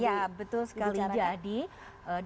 iya betul sekali ija bicara tadi betul sekali ija bicara tadi